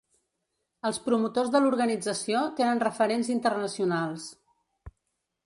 Els promotors de l’organització tenen referents internacionals.